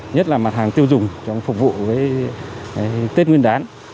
nhất là mặt hàng tiêu dùng trong phục vụ với tết nguyên đán